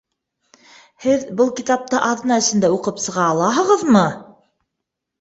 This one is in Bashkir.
Һеҙ был китапты аҙна эсендә уҡып сыға алаһығыҙмы?